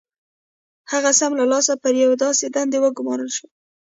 هغه سم له لاسه پر یوې داسې دندې وګومارل شو